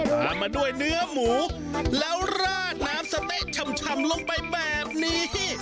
ตามมาด้วยเนื้อหมูแล้วราดน้ำสะเต๊ะชำลงไปแบบนี้